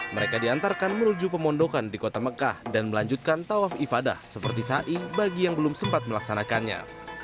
mereka diantarkan menuju pemondokan di kota mekah dan melanjutkan tawaf ibadah seperti ⁇ sai ⁇ bagi yang belum sempat melaksanakannya